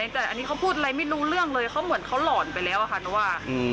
แต่อันนี้เขาพูดอะไรไม่รู้เรื่องเลยเขาเหมือนเขาหล่อนไปแล้วอะค่ะหนูว่า